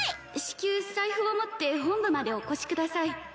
至急財布を持って本部までお越しください